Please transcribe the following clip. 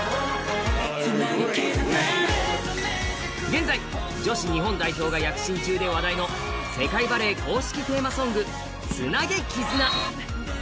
現在、女子日本代表が躍進中で話題の世界バレー公式テーマソング「ツナゲキズナ」。